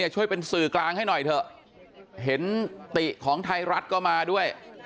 ช่วยเป็นสื่อกลางให้หน่อยเถอะเห็นติของไทยรัฐก็มาด้วย